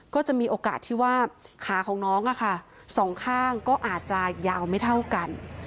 ก็จะมีโอกาสที่ว่าขาของน้องสองข้างก็อาจจะยาวไม่เท่ากัน